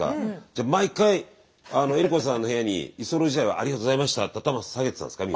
じゃあ毎回江里子さんの部屋に居候時代はありがとうございましたって頭下げてたんですか？